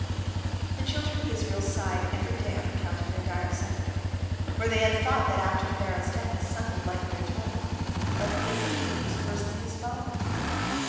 The children of Israel sighed every day on account of their dire suffering, for they had thought that after Pharaoh's death his son would lighten their toil, but the new king was worse than his father.